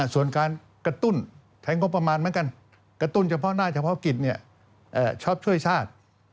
ส่วนการกระตุ้นใช้งบประมาณเหมือนกันกระตุ้นเฉพาะหน้าเฉพาะกิจชอบช่วยชาติ